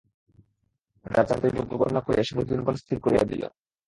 রাজার দৈবজ্ঞ গণনা করিয়া শুভ দিনক্ষণ স্থির করিয়া দিল।